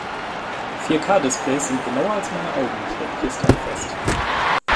Vier-K-Displays sind genauer als meine Augen, stellt Christian fest.